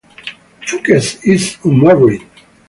Fookes is unmarried.